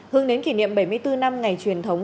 hướng đến kỷ niệm bảy mươi bốn năm ngày truyền thống